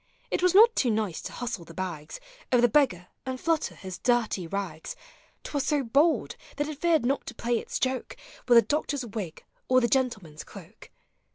It was not too nice to hustle the bags Of the beggar, and tlutter his dirty rags: T was so bold, that it feared not to play its joke With the doctor's wig or the gentleman's cloak.